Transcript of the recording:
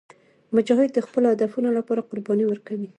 مجاهد د خپلو هدفونو لپاره قرباني ورکوي.